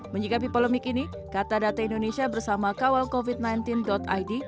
menyikapi polemik ini kata data indonesia bersama kawal covid sembilan belas id